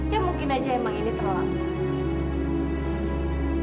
ya mungkin aja emang ini terlalu